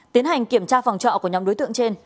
tiến hành kiểm tra phòng trọ của nhóm đối tượng trên